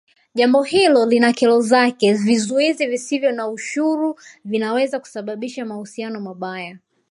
Jambo hilo lina kero zake vizuizi visovyo na ushuru vinaweza kusababisha mahusiano mabaya